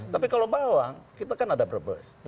tapi kalau bawang kita kan ada brebes